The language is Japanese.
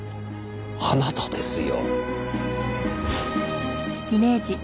あなたですよ。